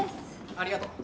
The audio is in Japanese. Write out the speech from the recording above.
ありがとう。